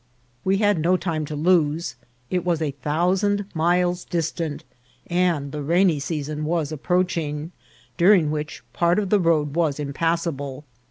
We had no time to lose ; it was a thou sand miles distant, and the rainy season was approach ing, during which part of the road was impassable.